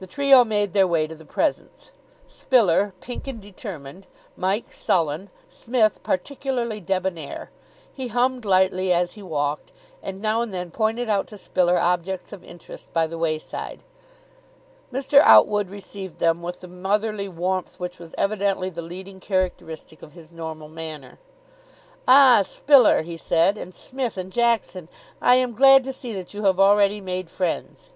The trio made their way to the Presence, Spiller pink and determined, Mike sullen, Psmith particularly debonair. He hummed lightly as he walked, and now and then pointed out to Spiller objects of interest by the wayside. Mr. Outwood received them with the motherly warmth which was evidently the leading characteristic of his normal manner. "Ah, Spiller," he said. "And Smith, and Jackson. I am glad to see that you have already made friends."